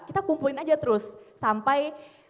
kita kumpulin aja terus sampai